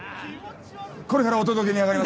これからお届けに上がります。